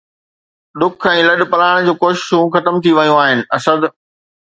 ڏک ۽ لڏپلاڻ جون ڪوششون ختم ٿي ويون آهن، اسد